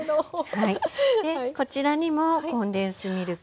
こちらにもコンデンスミルク。